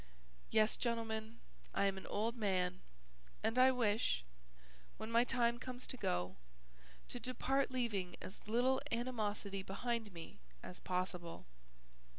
"Yes, gentlemen, I am an old man, and I wish, when my time comes to go, to depart leaving as little animosity behind me as possible.